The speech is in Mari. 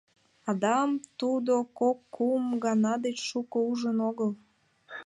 Адам тудо кок-кум гана деч шуко ужын огыл.